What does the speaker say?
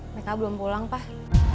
meka belum pulang pak